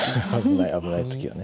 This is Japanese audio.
危ない時はね。